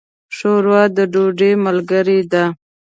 ښوروا د ډوډۍ ملګرې ده.